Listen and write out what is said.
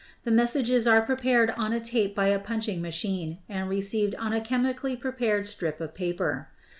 The messages ■are prepared on a tape by a punching machine and re ceived on a chemically prepared strip of paper.